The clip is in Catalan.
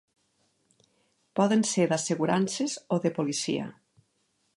Poden ser d'assegurances o de policia.